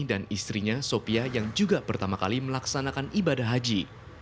istrinya sopia yang juga pertama kali melaksanakan ibadah haji